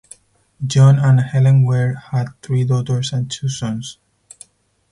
John and Helen Ware had three daughters and two sons.